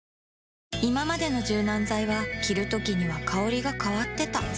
いままでの柔軟剤は着るときには香りが変わってた